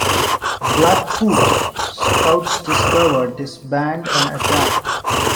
Blackfoot scouts discovered this band and attacked.